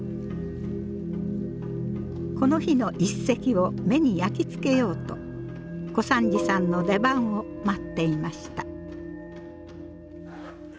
この日の一席を目に焼き付けようと小三治さんの出番を待っていました。